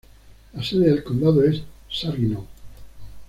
La sede del condado es Saginaw.